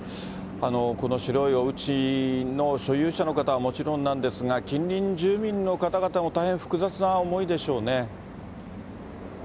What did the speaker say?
この白いおうちの所有者の方はもちろんなんですが、近隣住民の方々も大変複雑な思いでしょうね。